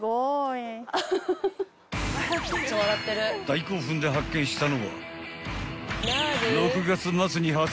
［大興奮で発見したのは］